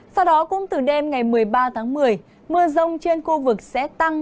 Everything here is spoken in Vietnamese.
sau đó cũng từ đêm ngày một mươi ba tháng một mươi mưa rông trên khu vực sẽ tăng